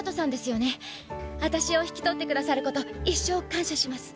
あたしを引き取ってくださること一生感謝します。